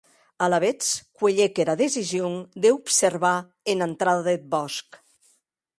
Alavetz cuelhec era decision d’observar ena entrada deth bòsc.